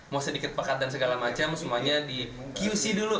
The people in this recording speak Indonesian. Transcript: mau sedikit pekat dan segala macam semuanya di qc dulu